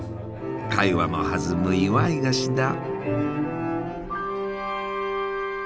会話も弾む祝い菓子だ。